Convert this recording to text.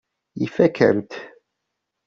Ifakk-am-t.